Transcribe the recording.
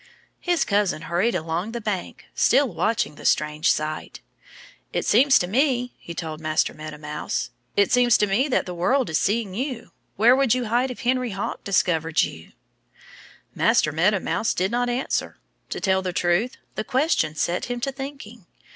His cousin hurried along the bank, still watching the strange sight. "It seems to me " he told Master Meadow Mouse "it seems to me that the world is seeing you. Where would you hide if Henry Hawk discovered you?" [Illustration: Master Meadow Mouse drifted toward Mr. Heron] Master Meadow Mouse did not answer. To tell the truth, the question set him to thinking.